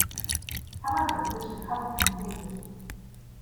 However it is recovered completely.